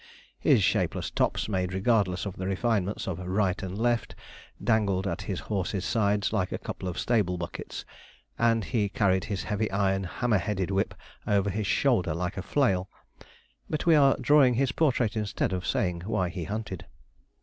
His shapeless tops, made regardless of the refinements of 'right and left,' dangled at his horse's sides like a couple of stable buckets; and he carried his heavy iron hammer headed whip over his shoulder like a flail. But we are drawing his portrait instead of saying why he hunted.